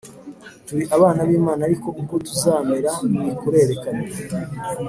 turi abana b’Imana ariko uko tuzamera ntikurerekanwa.